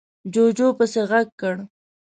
جُوجُو پسې غږ کړ: